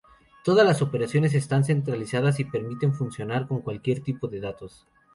Todas las operaciones están centralizadas y permiten funcionar con cualquier tipo de datos.